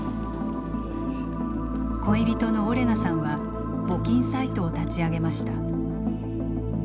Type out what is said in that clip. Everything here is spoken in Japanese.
恋人のオレナさんは募金サイトを立ち上げました。